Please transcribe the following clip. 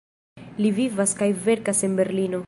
Li vivas kaj verkas en Berlino.